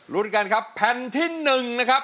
วิวดีกันครับแผ่นที่หนึ่งนะครับ